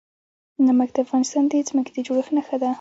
نمک د افغانستان د ځمکې د جوړښت نښه ده.